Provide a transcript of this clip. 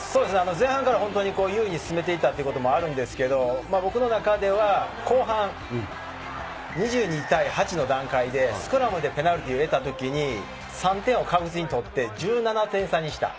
前半から優位に進めていたこともあるんですけれども、僕の中では後半、２２対８の段階でスクラムでペナルティーを得たときに、３点を確実に取って１７点差にした。